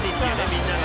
みんなが」